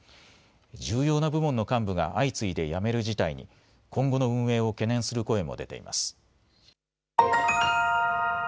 重要な部門の幹部が相次いで辞める事態に、今後の運営を懸念する声も出ています。